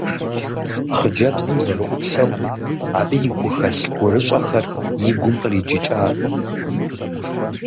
Хъыджэбзым зэрыӏуплъэу, абы и гухэлъ-гурыщӏэхэр и гум къриджыкӏат.